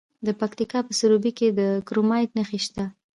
د پکتیکا په سروبي کې د کرومایټ نښې شته.